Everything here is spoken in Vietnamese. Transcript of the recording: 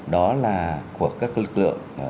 đó là của các lực lượng